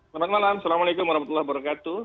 selamat malam assalamualaikum wr wb